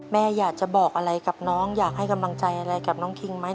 แม่อยากจะบอกอะไรกับน้องอยากให้กำลังใจอะไรกับน้องคิงไหม